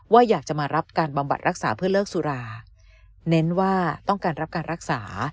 อยากจะมารับการบำบัดรักษาเพื่อเลิกสุราเน้นว่าต้องการรับการรักษา